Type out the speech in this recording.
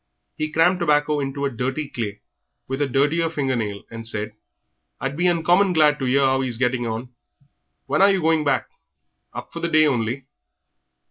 He crammed tobacco into a dirty clay, with a dirtier finger nail, and said "I'd be uncommon glad to 'ear how he is getting on. When are you going back? Up for the day only?"